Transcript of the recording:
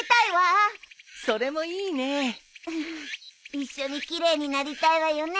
一緒に奇麗になりたいわよね？